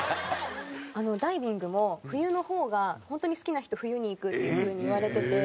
ダイビングも冬の方がホントに好きな人冬に行くっていうふうに言われてて。